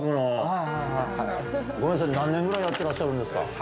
ごめんなさい何年ぐらいやってらっしゃるんですか？